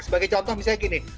sebagai contoh misalnya gini